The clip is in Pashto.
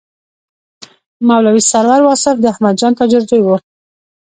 مولوي سرور واصف د احمدجان تاجر زوی و.